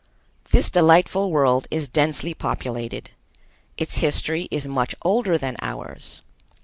This delightful world is densely populated. Its history is much older than ours.